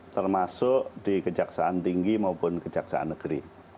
termasuk di kejaksaan tinggi maupun kejaksaan negeri